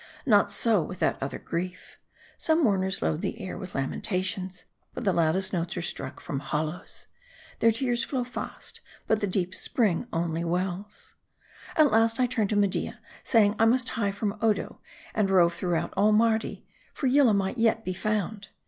Not so with that other grief. Some mourners load the air with lamentations ; but the loudest notes are struck from hollows. Their tears flow fast : but the deep spring only wells. At last I turned to Media, saying I must hie from Odo, and rove throughout all Mardi ; for Yillah might yet be found.